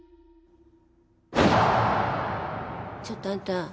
ちょっとあんた。